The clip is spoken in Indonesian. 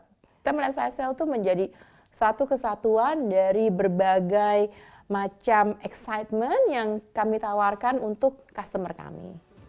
kita melihat flash sale itu menjadi satu kesatuan dari berbagai macam excitement yang kami tawarkan untuk customer kami